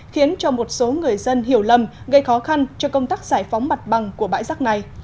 khiến cho một số người dân hiểu lầm gây khó khăn cho công tác giải phóng mặt bằng của bãi rác này